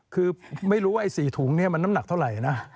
คือไม่รู้ว่าไอ้๔ถุงนี้มันน้ำหนักเท่าไหร่นะ